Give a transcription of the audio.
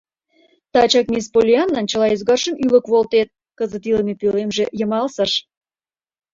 — Тачак мисс Поллианнан чыла ӱзгаржым ӱлык волтет, кызыт илыме пӧлемже йымалсыш.